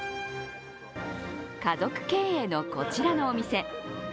家族経営のこちらのお店。